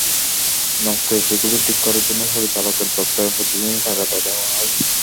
নষ্ট এসিগুলো ঠিক করার জন্য পরিচালকের দপ্তরে প্রতিদিনই তাগাদা দেওয়া হয়।